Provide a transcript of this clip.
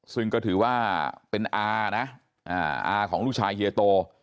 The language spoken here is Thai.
ซึ่งก็ถือว่าเป็นอานะอาของลูกชายเฮียโต